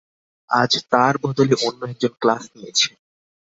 আজ তার বদলে অন্য একজন ক্লাস নিয়েছে।